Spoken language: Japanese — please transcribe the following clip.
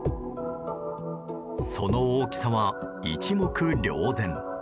その大きさは一目瞭然。